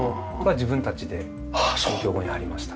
自分たちで入居後に張りました。